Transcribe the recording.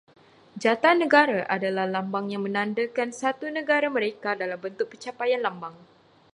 Jata negara adalah lambang yang menandakan satu negara merdeka dalam bentuk pencapaian lambang